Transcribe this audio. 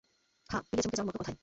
হ্যাঁ, পিলে চমকে যাওয়ার মতো কথাই।